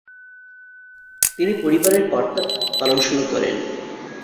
তিনি পরিবারের কর্তার ভূমিকা পালন শুরু করেন।